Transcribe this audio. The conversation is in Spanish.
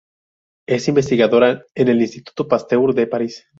Es investigadora en el Instituto Pasteur de París.